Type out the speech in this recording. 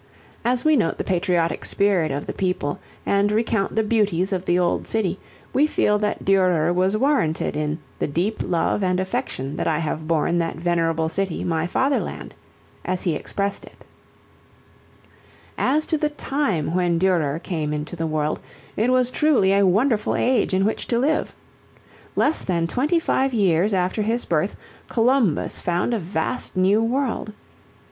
As we note the patriotic spirit of the people and recount the beauties of the old city, we feel that Durer was warranted "in the deep love and affection that I have borne that venerable city, my fatherland," as he expressed it. [Illustration: ERASMUS] As to the time when Durer came into the world, it was truly a wonderful age in which to live! Less than twenty five years after his birth, Columbus found a vast new world.